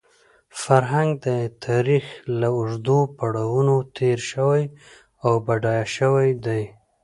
فرهنګ د تاریخ له اوږدو پړاوونو تېر شوی او بډایه شوی دی.